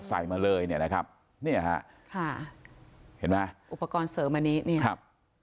ใส่มาเลยเนี่ยนะครับเนี่ยฮะค่ะเห็นไหมอุปกรณ์เสริมอันนี้เนี่ยครับ